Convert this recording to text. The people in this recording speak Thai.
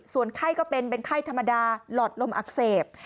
ส่วนไข้ก็เป็นเป็นไข้ธรรมดาหลอดลมอักเสบ